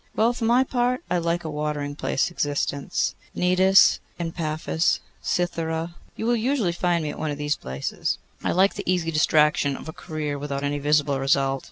Well, for my part, I like a watering place existence. Cnidos, Paphos, Cythera; you will usually find me at one of these places. I like the easy distraction of a career without any visible result.